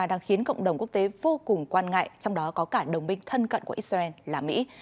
đang khiến cộng đồng quốc tế vô cùng quan ngại trong đó có cả đồng minh thân cận của israel là mỹ